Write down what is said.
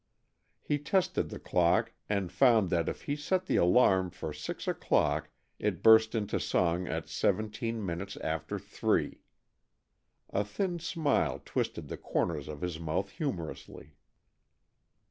He tested the clock and found that if he set the alarm for six o'clock it burst into song at seventeen minutes after three. A thin smile twisted the corners of his mouth humorously.